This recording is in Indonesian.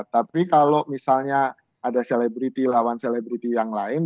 tapi kalau misalnya ada selebriti lawan selebriti yang lain